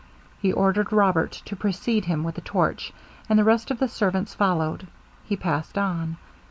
He ordered Robert to precede him with a torch, and the rest of the servants following, he passed on.